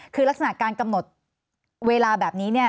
คือลักษณะการกำหนดเวลาแบบนี้เนี่ย